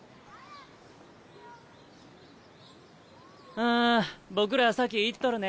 ああ僕ら先行っとるね。